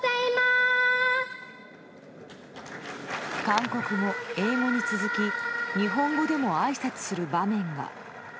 韓国語、英語に続き日本語でもあいさつする場面が。